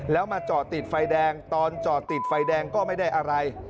แล้วมาจอดติดไฟแดงตอนจอดติดไฟแดงก็ไม่ได้อะไร